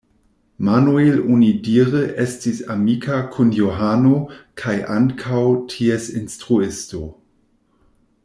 Manuel onidire estis amika kun Johano kaj ankaŭ ties instruisto.